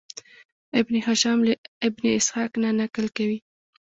ابن هشام له ابن اسحاق نه نقل کوي.